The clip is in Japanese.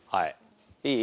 いい？